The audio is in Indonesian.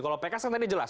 kalau pks kan tadi jelas